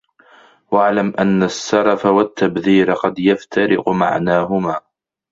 وَاعْلَمْ أَنَّ السَّرَفَ وَالتَّبْذِيرَ قَدْ يَفْتَرِقُ مَعْنَاهُمَا